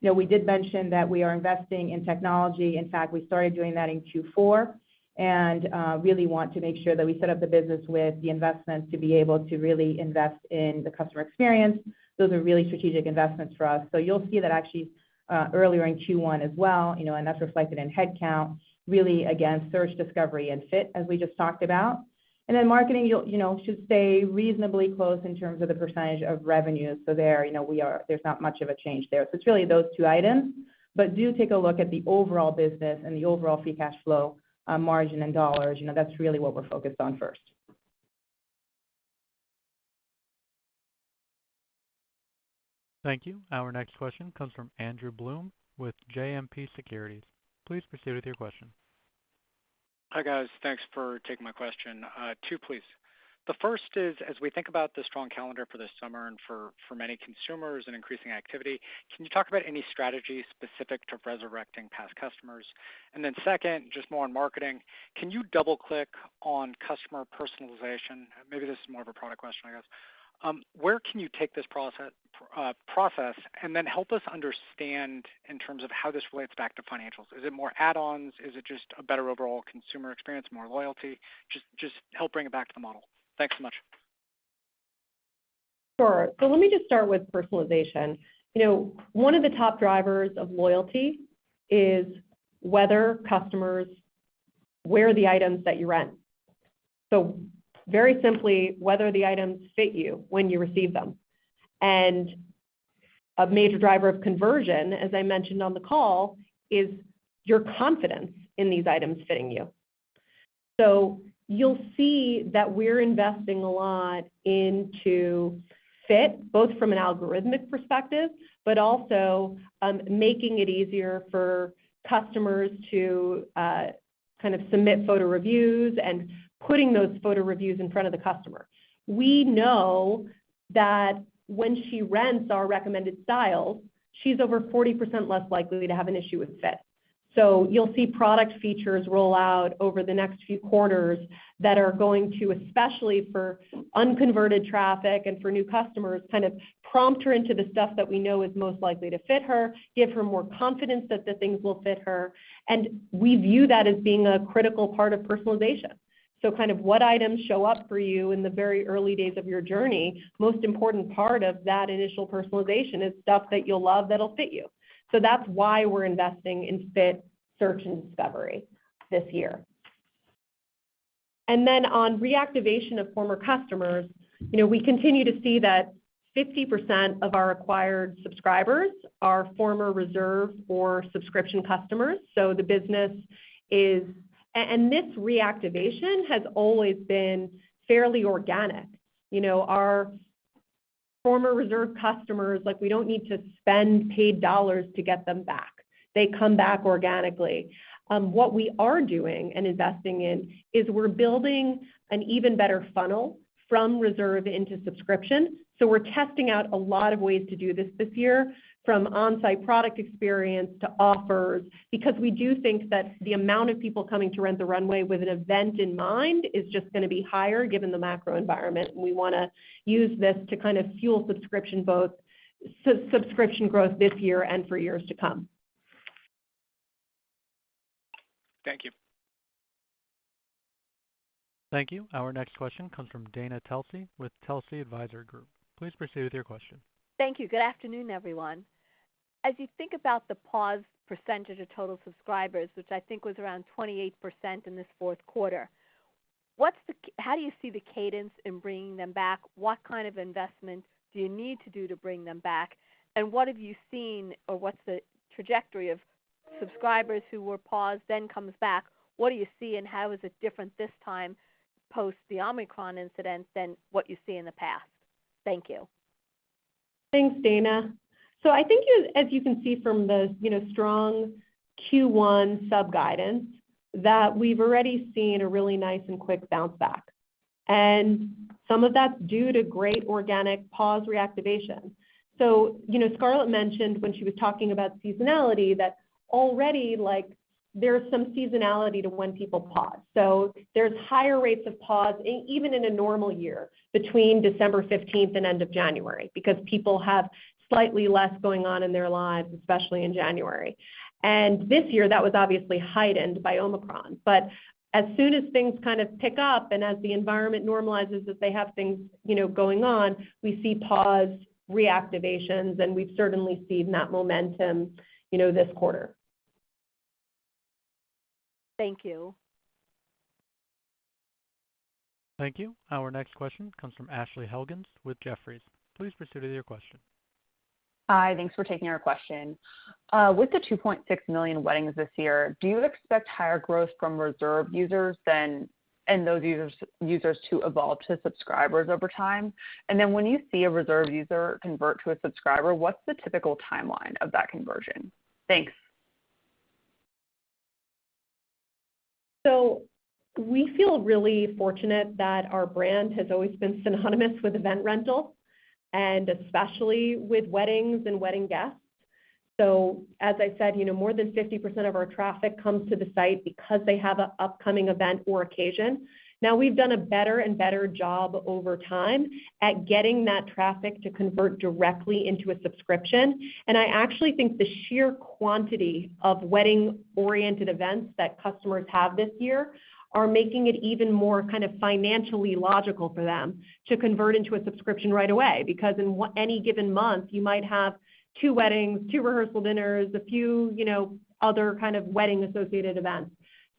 You know, we did mention that we are investing in technology. In fact, we started doing that in Q4, and really want to make sure that we set up the business with the investments to be able to really invest in the customer experience. Those are really strategic investments for us. You'll see that actually, earlier in Q1 as well, you know, and that's reflected in headcount, really, again, search, discovery, and fit as we just talked about. Marketing, you know, should stay reasonably close in terms of the percentage of revenue. There, you know, there's not much of a change there. It's really those two items. Do take a look at the overall business and the overall free cash flow, margin, and dollars. You know, that's really what we're focused on first. Thank you. Our next question comes from Andrew Boone with JMP Securities. Please proceed with your question. Hi, guys. Thanks for taking my question. Two, please. The first is, as we think about the strong calendar for this summer and for many consumers and increasing activity, can you talk about any strategies specific to resurrecting past customers? Then second, just more on marketing. Can you double-click on customer personalization? Maybe this is more of a product question, I guess. Where can you take this process, and then help us understand in terms of how this relates back to financials. Is it more add-ons? Is it just a better overall consumer experience, more loyalty? Just help bring it back to the model. Thanks so much. Sure. Let me just start with personalization. You know, one of the top drivers of loyalty is whether customers wear the items that you rent. Very simply, whether the items fit you when you receive them. A major driver of conversion, as I mentioned on the call, is your confidence in these items fitting you. You'll see that we're investing a lot into fit, both from an algorithmic perspective, but also, making it easier for customers to, kind of submit photo reviews and putting those photo reviews in front of the customer. We know that when she rents our recommended styles, she's over 40% less likely to have an issue with fit. You'll see product features roll out over the next few quarters that are going to, especially for unconverted traffic and for new customers, kind of prompt her into the stuff that we know is most likely to fit her, give her more confidence that the things will fit her, and we view that as being a critical part of personalization. Kind of what items show up for you in the very early days of your journey, most important part of that initial personalization is stuff that you'll love that'll fit you. That's why we're investing in fit, search, and discovery this year. Then on reactivation of former customers, you know, we continue to see that 50% of our acquired subscribers are former Reserve or Subscription customers, so the business is and this reactivation has always been fairly organic. You know, our former Reserve customers, like, we don't need to spend paid dollars to get them back. They come back organically. What we are doing and investing in is we're building an even better funnel from Reserve into Subscription. We're testing out a lot of ways to do this this year, from on-site product experience to offers, because we do think that the amount of people coming to Rent the Runway with an event in mind is just gonna be higher given the macro environment. We wanna use this to kind of fuel subscription growth this year and for years to come. Thank you. Thank you. Our next question comes from Dana Telsey with Telsey Advisory Group. Please proceed with your question. Thank you. Good afternoon, everyone. As you think about the paused percentage of total subscribers, which I think was around 28% in this fourth quarter, what's the, how do you see the cadence in bringing them back? What kind of investments do you need to do to bring them back? What have you seen or what's the trajectory of subscribers who were paused then comes back? What do you see and how is it different this time post the Omicron incident than what you see in the past? Thank you. Thanks Dana. I think as you can see from the, you know, strong Q1 sub-guidance, that we've already seen a really nice and quick bounce back. Some of that's due to great organic pause reactivation. You know, Scarlett mentioned when she was talking about seasonality that already, like, there's some seasonality to when people pause. There's higher rates of pause even in a normal year between December fifteenth and end of January, because people have slightly less going on in their lives, especially in January. This year, that was obviously heightened by Omicron. As soon as things kind of pick up and as the environment normalizes as they have things, you know, going on, we see pause reactivations, and we've certainly seen that momentum, you know, this quarter. Thank you. Thank you. Our next question comes from Ashley Helgans with Jefferies. Please proceed with your question. Hi. Thanks for taking our question. With the 2.6 million weddings this year, do you expect higher growth from Reserve users than and those users to evolve to subscribers over time? Then when you see a Reserve user convert to a subscriber, what's the typical timeline of that conversion? Thanks. We feel really fortunate that our brand has always been synonymous with event rental, and especially with weddings and wedding guests. As I said, you know, more than 50% of our traffic comes to the site because they have an upcoming event or occasion. Now, we've done a better and better job over time at getting that traffic to convert directly into a subscription. I actually think the sheer quantity of wedding-oriented events that customers have this year are making it even more kind of financially logical for them to convert into a subscription right away, because in any given month, you might have two weddings, two rehearsal dinners, a few, you know, other kind of wedding-associated events.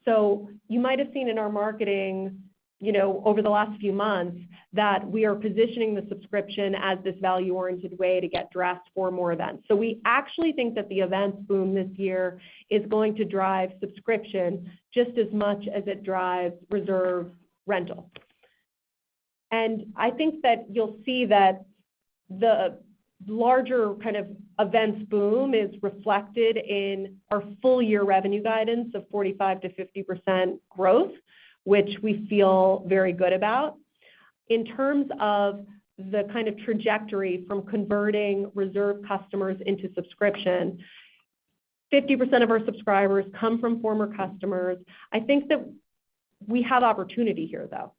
You might have seen in our marketing, you know, over the last few months that we are positioning the Subscription as this value-oriented way to get dressed for more events. We actually think that the events boom this year is going to drive Subscription just as much as it drives Reserve rental. I think that you'll see that the larger kind of events boom is reflected in our full year revenue guidance of 45%-50% growth, which we feel very good about. In terms of the kind of trajectory from converting Reserve customers into Subscription, 50% of our subscribers come from former customers. I think that we have opportunity here, though.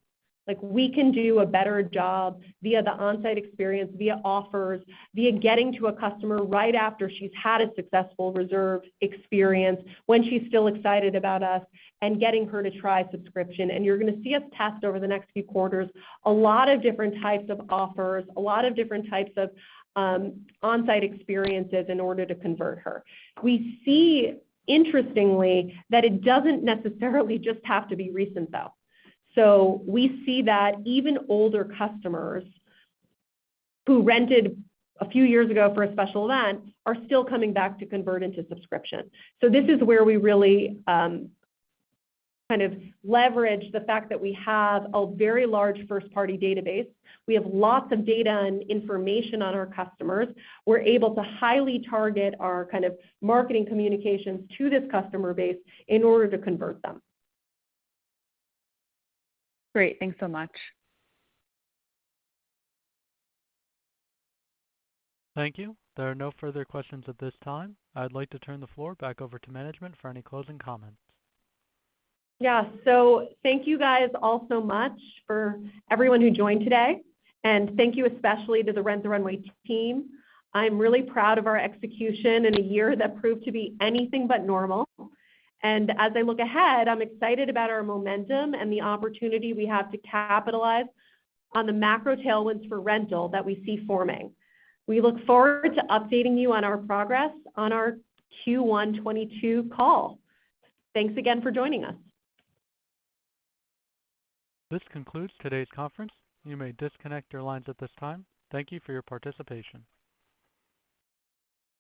Like, we can do a better job via the on-site experience, via offers, via getting to a customer right after she's had a successful Reserve experience when she's still excited about us and getting her to try Subscription. You're gonna see us test over the next few quarters, a lot of different types of offers, a lot of different types of on-site experiences in order to convert her. We see interestingly that it doesn't necessarily just have to be recent, though. We see that even older customers who rented a few years ago for a special event are still coming back to convert into Subscription. This is where we really kind of leverage the fact that we have a very large first-party database. We have lots of data and information on our customers. We're able to highly target our kind of marketing communications to this customer base in order to convert them. Great. Thanks so much. Thank you. There are no further questions at this time. I'd like to turn the floor back over to management for any closing comments. Yeah. Thank you guys all so much for everyone who joined today, and thank you especially to the Rent the Runway team. I'm really proud of our execution in a year that proved to be anything but normal. As I look ahead, I'm excited about our momentum and the opportunity we have to capitalize on the macro tailwinds for rental that we see forming. We look forward to updating you on our progress on our Q1 2022 call. Thanks again for joining us. This concludes today's conference. You may disconnect your lines at this time. Thank you for your participation.